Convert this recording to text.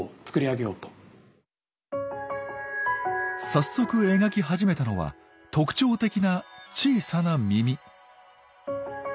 早速描き始めたのは特徴的な小さな耳。